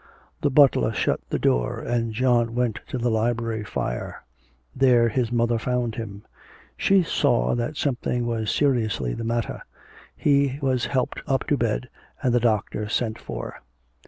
The butler shut the door, and John went to the library fire. There his mother found him. She saw that something was seriously the matter. He was helped up to bed, and the doctor sent for.